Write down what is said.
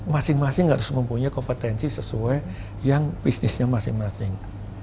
masing masing harus mempunyai kompetensi sesuai yang bisnisnya masing masing